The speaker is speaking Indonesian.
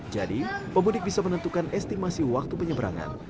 jadi pemudik bisa menentukan estimasi waktu penyeberangan